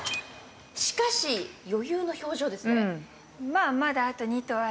しかし、余裕の表情ですね。